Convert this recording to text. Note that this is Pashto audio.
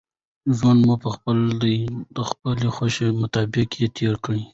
ژوند مو خپل دئ، د خپلي خوښي مطابق ئې تېر که!